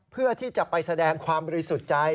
เพื่อที่จะไปแสดงความบริสุทธิ์ใจ